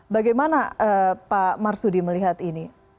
bagaimana pak marsudi melihat ini